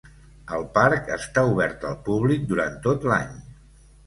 El parc està obert al públic durant tot l'any.